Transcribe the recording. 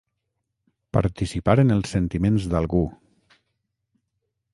Participar en els sentiments d'algú.